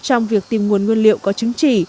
trong việc tìm nguồn nguyên liệu có chứng chỉ